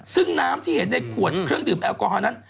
ซึ่งน้ำที่เห็นในขวดเครื่องดื่มแอลกอฮอลนั้น